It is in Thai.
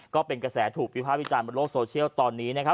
ก็เป็นกระแสถูกวิภาควิจารณ์บนโลกโซเชียลตอนนี้นะครับ